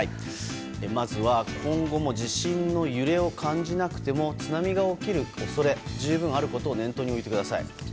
まずは、今後も地震の揺れを感じなくても津波が起きる恐れが十分あることを念頭に置いてください。